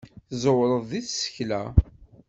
Tẓewreḍ deg tsekla.